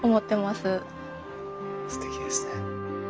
すてきですね。